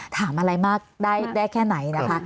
ถามอะไรมากได้แค่ไหนนะคะ